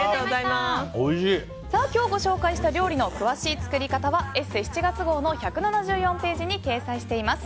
今日ご紹介した料理の詳しい作り方は「ＥＳＳＥ」７月号の１７４ページに掲載しています。